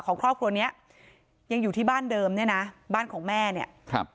ของครอบครัวเนี้ยยังอยู่ที่บ้านเดิมเนี่ยนะบ้านของแม่เนี่ยครับ